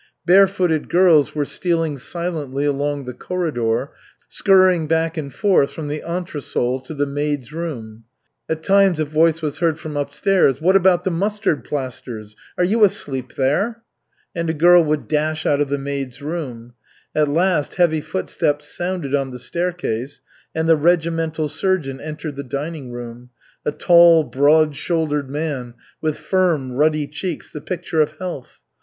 Barefooted girls were stealing silently along the corridor, scurrying back and forth from the entresol to the maids' room. At times a voice was heard from upstairs: "What about the mustard plasters? Are you asleep there?" And a girl would dash out of the maids' room. At last heavy footsteps sounded on the staircase, and the regimental surgeon entered the dining room, a tall, broad shouldered man, with firm, ruddy cheeks, the picture of health.